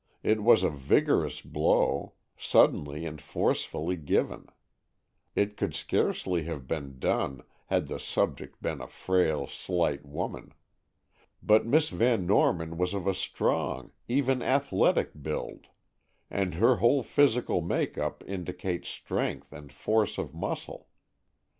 It was a vigorous blow, suddenly and forcefully given. It could scarcely have been done, had the subject been a frail, slight woman. But Miss Van Norman was of a strong, even athletic build, and her whole physical make up indicates strength and force of muscle.